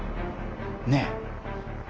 ねえ。